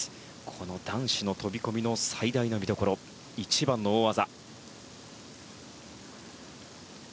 この男子の飛込の最大の見どころ一番の大技。